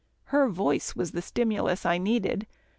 Her voice was the stimulus I needed.